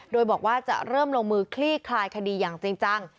โดยบอกว่าจะเริ่มลงมือคลี่คลายคดีอย่างจริงจัง